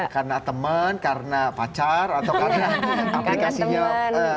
karena temen karena pacar atau karena aplikasinya seru